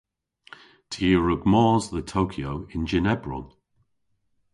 Ty a wrug mos dhe Tokyo yn jynn ebron.